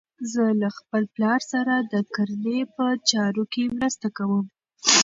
زه له خپل پلار سره د کرنې په چارو کې مرسته کوم.